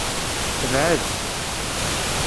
Tebɛed.